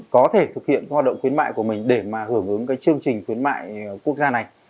có thể thực hiện hoạt động khuyến mại của mình để mà hưởng ứng cái chương trình khuyến mại quốc gia này